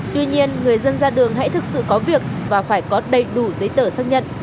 tuy nhiên người dân ra đường hãy thực sự có việc và phải có đầy đủ giấy tờ xác nhận